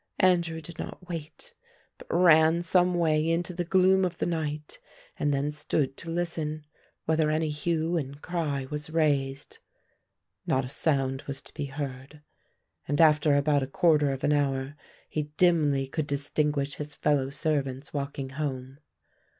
Andrew did not wait, but ran some way into the gloom of the night and then stood to listen whether any hue and cry was raised. Not a sound was to be heard and after about a quarter of an hour he dimly could distinguish his fellow servants walking home.